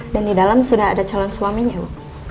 dan di dalam sudah ada calon suaminya bu